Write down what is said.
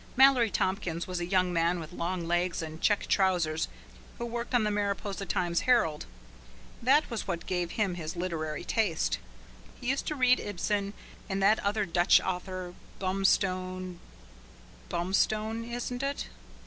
Mallory Tompkins was a young man with long legs and check trousers who worked on the Mariposa Times Herald. That was what gave him his literary taste. He used to read Ibsen and that other Dutch author Bumstone Bumstone, isn't it?